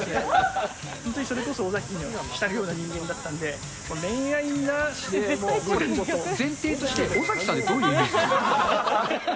本当にそれこそ尾崎に浸るような人間だったので、恋愛なんてもう、前提として、尾崎さんはどういうイメージ。